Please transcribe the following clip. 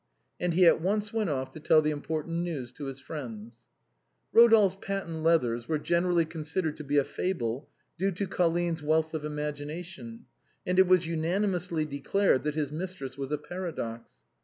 And he at once went off to tell the important news to his friends. Eodolphe's patent leathers were generally considered to be a fable due to Colline's wealth of imagination, and it was unanimously declared that his mistress was a paradox.